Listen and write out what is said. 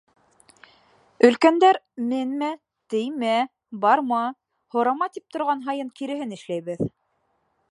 Өлкәндәр менмә, теймә, барма, һорама тип торған һайын киреһен эшләйбеҙ.